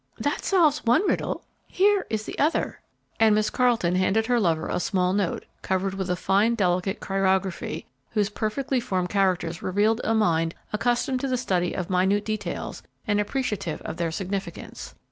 "That solves one riddle, here is the other," and Miss Carleton handed her lover a small note, covered with a fine, delicate chirography whose perfectly formed characters revealed a mind accustomed to the study of minute details and appreciative of their significance.